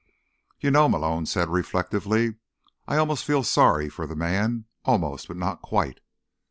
"You know," Malone said reflectively, "I almost feel sorry for the man. Almost, but not quite."